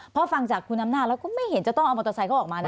เพราะฟังจากคุณอำนาจแล้วก็ไม่เห็นจะต้องเอามอเตอร์ไซค์เขาออกมานะ